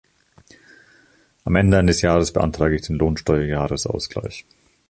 Am Ende eines Jahres beantrage ich den Lohnsteuerjahresausgleich.